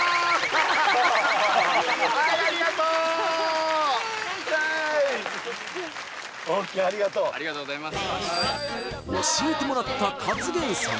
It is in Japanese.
はいありがとうＯＫありがとうありがとうございます